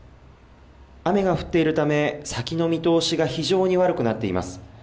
雨が降っているため先の見通しが非常に悪くなっています。